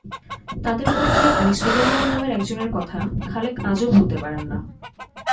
তাঁদের মধ্যে আনিসুর রহমান নামের একজনের কথা খালেক আজও ভুলতে পারেন না।